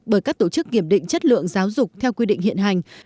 bởi các tổ chức kiểm định chất lượng giáo dục theo quy định hiện hành